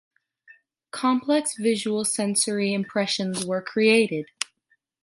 Complex visual sensory impressions were created.